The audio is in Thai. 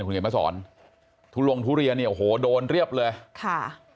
คุณเขียนมาสอนทุลงทุเรียนเนี่ยโอ้โหโดนเรียบเลยค่ะ